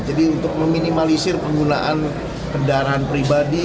jadi untuk meminimalisir penggunaan kendaraan pribadi